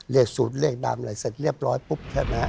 เรียกสูตรเลขดามอะไรเสร็จเรียบร้อยปุ๊บ